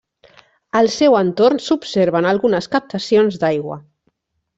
Al seu entorn s'observen algunes captacions d'aigua.